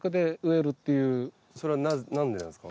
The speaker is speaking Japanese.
それはなんでなんですか？